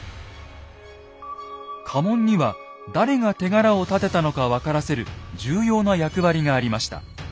家紋には誰が手柄を立てたのか分からせる重要な役割がありました。